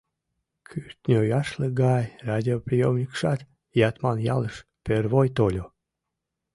Кӱртньӧ яшлык гай радиоприёмникшат Ятман ялыш первой тольо.